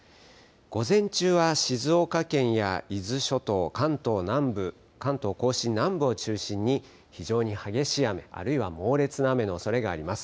午前中は静岡県や伊豆諸島、関東南部、関東甲信南部を中心に非常に激しい雨、あるいは猛烈な雨のおそれがあります。